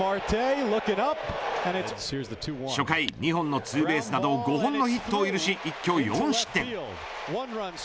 初回、２本のツーベースなど５本のヒットを許し一挙４失点。